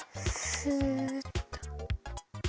スッと。